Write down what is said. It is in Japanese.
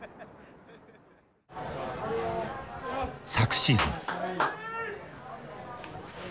昨シーズン。